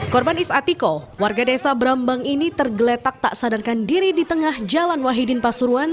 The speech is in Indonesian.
korban isatiko warga desa brambang ini tergeletak tak sadarkan diri di tengah jalan wahidin pasuruan